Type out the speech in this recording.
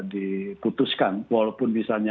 diputuskan walaupun misalnya